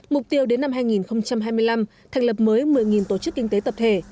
mục tiêu đến năm hai nghìn hai mươi năm thành lập mới một mươi tổ chức kinh tế tập thể